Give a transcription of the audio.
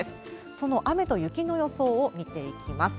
その雨と雪の予想を見ていきます。